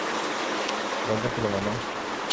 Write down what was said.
দরজা খুলো, মামা।